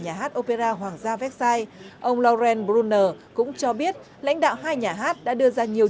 nhà hát opera hoàng gia vexai ông loren brunner cũng cho biết lãnh đạo hai nhà hát đã đưa ra nhiều